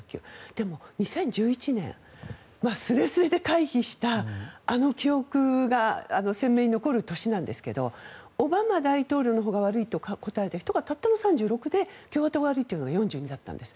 でも、２０１１年すれすれで回避したあの記憶が鮮明に残る年なんですけどオバマ大統領のほうが悪いと答えた人がたったの３６で共和党が悪いというのが４２だったんです。